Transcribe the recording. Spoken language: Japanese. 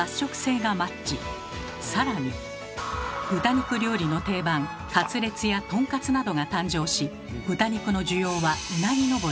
更に豚肉料理の定番カツレツや豚カツなどが誕生し豚肉の需要はうなぎ登りに。